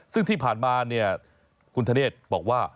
ซึ่งที่ผ่านมาเนี่ยคุณธเนธบอกว่า